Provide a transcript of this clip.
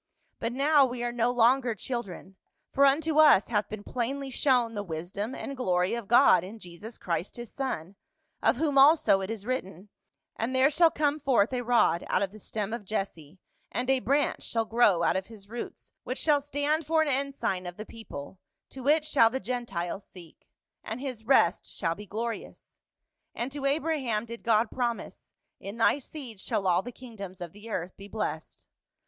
But now we are no longer children, for unto us hath been plainly shown the wisdom and glory of God in Jesus Christ his son, of whom also it is written, ' And there shall come forth a rod out of the stem of Jesse, and a branch shall grow out of his roots which shall stand for an 126 PAUL. ensign of the people ; to it shall the Gentiles seek ; and his rest shall be glorious.' And to Abraham did God promise, ' in thy seed shall all the kingdoms of the earth be blessed.'